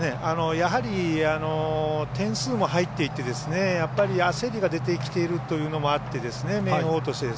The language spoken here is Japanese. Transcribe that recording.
やはり、点数も入っていて焦りが出てきているというのもあって明豊として。